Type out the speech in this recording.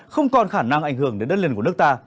không còn khả năng ảnh hưởng đến đất liền của nước ta